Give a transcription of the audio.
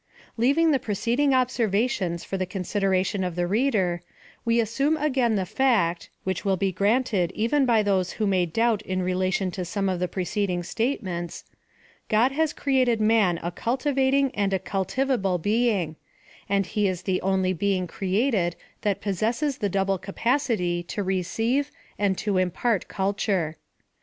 Leaving the preceding observations for the con sideration of the reader, we assume again the fact, which will be granted even by those who may doubt in relation to some of the preceding state ments — God has created man a cullivating' and a cultivable being', and he is the only being created that possesses the double capability to receive and to impart culture.